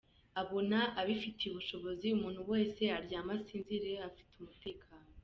abona afitiye ubushobozi; Umuntu wese aryame asinzire afite umutekano